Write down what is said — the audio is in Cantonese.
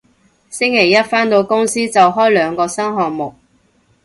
星期一返到公司就開兩個新項目